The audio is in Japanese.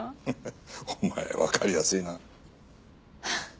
ハハお前わかりやすいな。